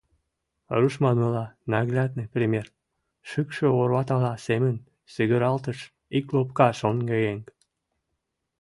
— Руш манмыла, наглядный пример, — шӱкшӧ орватала семын сигыралтыш ик лопка шоҥгыеҥ.